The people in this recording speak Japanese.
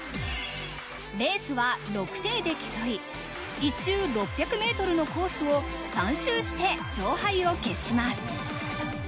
レースは６艇で競い、１周６００ｍのコースを３周して勝敗を決します。